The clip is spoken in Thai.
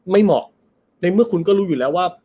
เหมาะในเมื่อคุณก็รู้อยู่แล้วว่า